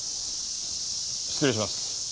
失礼します。